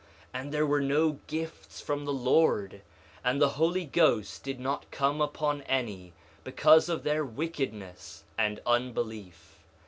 1:14 And there were no gifts from the Lord, and the Holy Ghost did not come upon any, because of their wickedness and unbelief.